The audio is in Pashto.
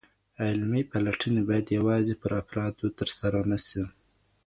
علمي پلټني باید یوازي پر افرادو ترسره نسي.